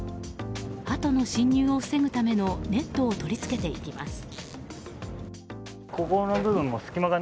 ハトの侵入を防ぐためのネットを取り付けていきます。